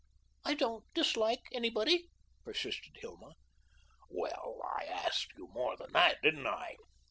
"I don't dislike anybody," persisted Hilma. "Well, I asked you more than that, didn't I?"